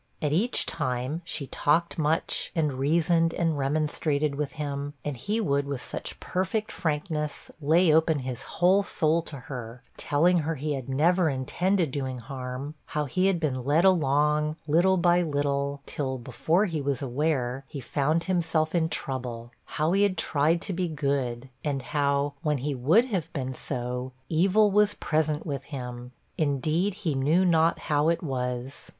At each time, she talked much, and reasoned and remonstrated with him; and he would, with such perfect frankness, lay open his whole soul to her, telling her he had never intended doing harm, how he had been led along, little by little, till, before he was aware, he found himself in trouble how he had tried to be good and how, when he would have been so, 'evil was present with him,' indeed he knew not how it was.